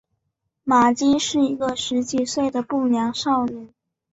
玛姬是一个十几岁的不良少女。